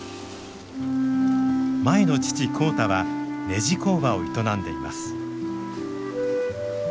舞の父浩太はねじ工場を営んでいます。